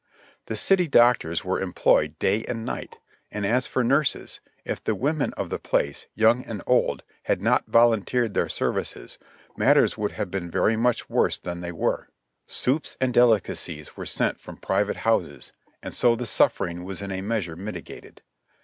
The city doc tors were employed day and night, and as for nurses — if the women of the place, young and old, had not volunteered their services, matters would have been very much worse than they were. RICHMOND AFTER THE BATTEE 157 Soups and delicacies were sent from private houses, and so the suffering was in a measure mitigated.